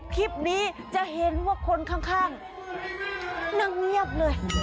คลิปนี้จะเห็นว่าคนข้างนั่งเงียบเลย